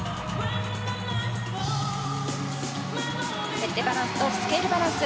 フェッテバランスとスケールバランス。